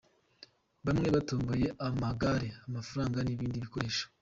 Bamwe batomboye amagare, amafaranga n’ibindi bikoresho.